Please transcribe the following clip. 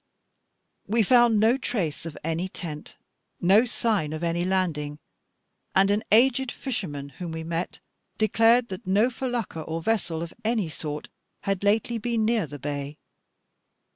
We found no trace of any tent, no sign of any landing, and an aged fisherman, whom we met, declared that no felucca or vessel of any sort had lately been near the bay.